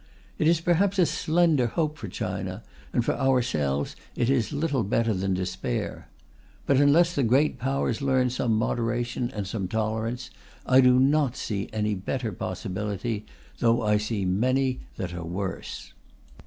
It is perhaps a slender hope for China, and for ourselves it is little better than despair. But unless the Great Powers learn some moderation and some tolerance, I do not see any better possibility, though I see many that are worse.